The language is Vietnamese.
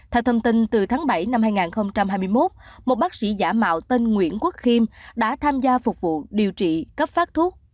theo thông tin từ tháng bảy năm hai nghìn hai mươi một một bác sĩ giả mạo tên nguyễn quốc khiêm đã tham gia phục vụ điều trị cấp phát thuốc